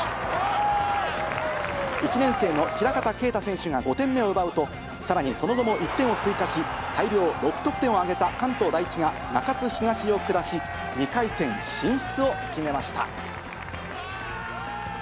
１年生の平形京太選手が５点目を奪うと、さらにその後も１点を追加し、大量６得点を挙げた関東第一が中津東を下し、２回戦進出を決めました。